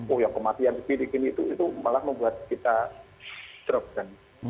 oh ya kematian tv di kini itu malah membuat kita drop kan